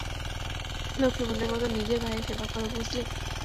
লক্ষ্মী বোনের মত নিজের ভাইয়ের সেবা কর, বুঝলি?